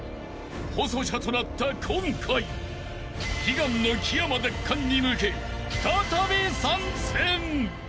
［細シャとなった今回悲願の木山奪還に向け再び参戦］